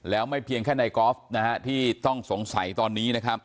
แล้วไม่เพียงแค่ในที่ต้องสงสัยตอนนี้